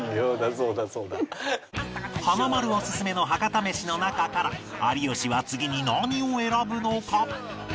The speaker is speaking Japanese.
華丸オススメの博多メシの中から有吉は次に何を選ぶのか？